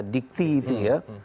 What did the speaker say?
dikti itu ya